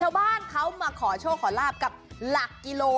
ชาวบ้านเขามาขอโชคขอลาบกับหลักกิโล